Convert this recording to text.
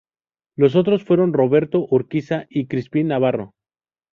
Los otros fueron Roberto Urquiza y Crispín Navarro.